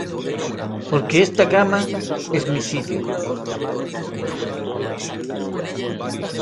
Porque esta cama es mi sitio.